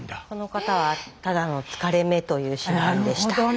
この方はただの疲れ目という診断でした。